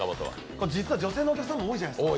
実は女性のお客さんも多いじゃないですか。